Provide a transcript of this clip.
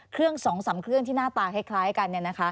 เครื่องสองสามเครื่องที่หน้าตาคล้ายกัน